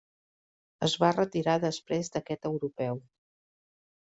Es va retirar després d'aquest Europeu.